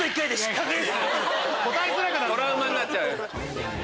トラウマになっちゃうよ。